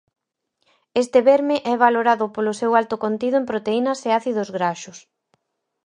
Este verme é valorado polo seu alto contido en proteínas e ácidos graxos.